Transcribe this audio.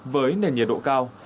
với nền nhiệt độ cao